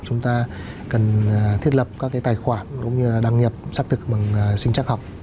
chúng ta cần thiết lập các tài khoản đăng nhập xác thực bằng sinh chắc học